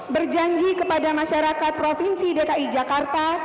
berjanji kepada masyarakat provinsi dki jakarta